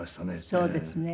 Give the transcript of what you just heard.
そうですね。